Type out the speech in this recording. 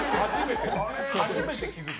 初めて気づく。